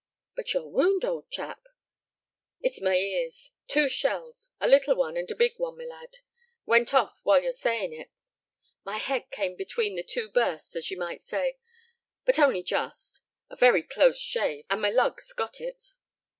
"But your wound, old chap?" "It's my ears. Two shells, a little one and a big one, my lad went off while you're saying it. My head came between the two bursts, as you might say, but only just; a very close shave, and my lugs got it."